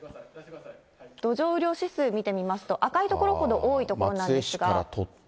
土壌雨量指数見てみますと、赤い所ほど多い所なんですが。